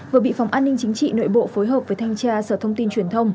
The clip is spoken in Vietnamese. vừa bị phòng an ninh chính trị nội bộ phối hợp với thanh tra sở thông tin truyền thông